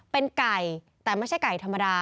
เป็นไก่แต่ไม่ใช่ไก่ธรรมดา